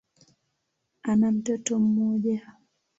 Ana mtoto mmoja.